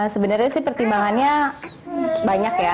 sebenarnya sih pertimbangannya banyak ya